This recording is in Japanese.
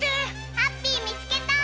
ハッピーみつけた！